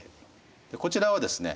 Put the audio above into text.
こちらはですね